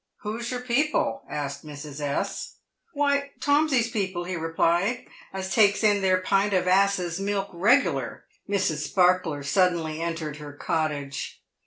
" "Who's your people ?" asked Mrs. S. "Why, Tomsey's people," he replied, "as takes in their pint of ass's miik regular." Mrs. Sparkler suddenly entered her cottage.